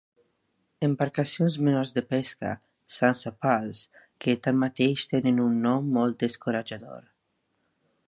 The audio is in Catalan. Embarcacions menors de pesca, sense pals, que tanmateix tenen un nom molt descoratjador.